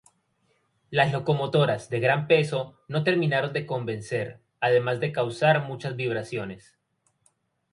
Las locomotoras, de gran peso, no terminaron de convencer, además de causar muchas vibraciones.